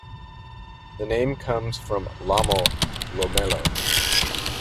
The name comes from Lommel Loemelo.